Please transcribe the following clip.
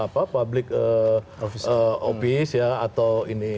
apa publik office ya atau ini